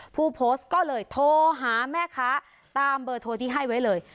ผู้โพสต์ก็เลยโทรหาแม่ค้าตามเบอร์โทรที่ให้ไว้เลย